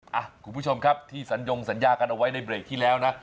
คุณผู้ชมครับที่สัญญงสัญญากันเอาไว้ในเบรกที่แล้วนะ